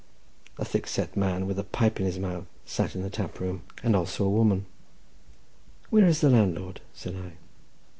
A thick set man, with a pipe in his mouth, sat in the tap room, and also a woman. "Where is the landlord?" said I.